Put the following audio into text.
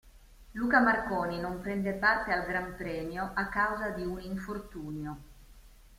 Luca Marconi non prende parte al Gran Premio a causa di un infortunio.